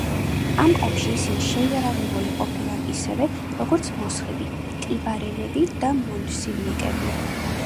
ამ ომში ისინი შეიარაღებული ყოფილან ისევე, როგორც მოსხები, ტიბარენები და მოსინიკები.